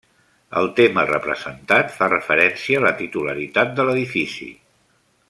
El tema representat fa referència a la titularitat de l'edifici.